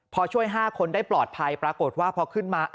พอช่วย๕คนได้ปลอดภัยปรากฏว่าพอขึ้นมา